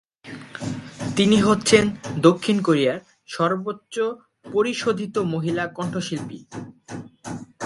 তিনি হচ্ছেন দক্ষিণ কোরিয়ান সর্বোচ্চ পরিশোধিত মহিলা কণ্ঠশিল্পী।